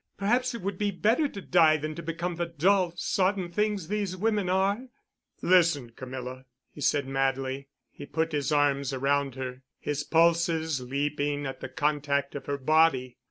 Perhaps it would be better to die than to become the dull, sodden things these women are." "Listen, Camilla," he said madly. He put his arms around her, his pulses leaping at the contact of her body.